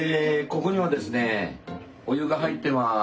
ここにはですねお湯が入ってます。